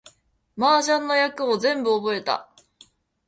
麻雀の役を全部覚えた